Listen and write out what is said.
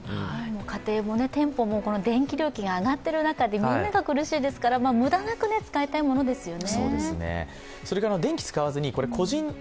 家庭も店舗も電気料金が上がっている中でみんなが苦しいですから、無駄なく使いたいものですよね。